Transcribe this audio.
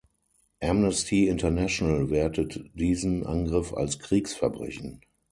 Amnesty International wertet diesen Angriff als Kriegsverbrechen.